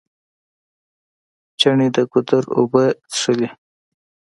چڼې د ګودر اوبه څښلې.